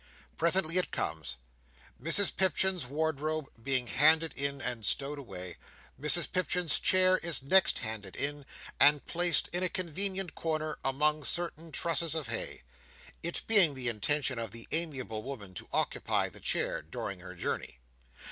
Presently it comes. Mrs Pipchin's wardrobe being handed in and stowed away, Mrs Pipchin's chair is next handed in, and placed in a convenient corner among certain trusses of hay; it being the intention of the amiable woman to occupy the chair during her journey.